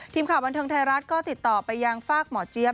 ทีมข่าวบันเทิงไทยรัฐก็ติดต่อไปยังฝากหมอเจี๊ยบ